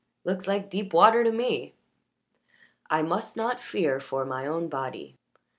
Looks like deep water to me." "I must not fear for my own body."